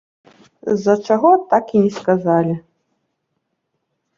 З-за чаго, так і не сказалі.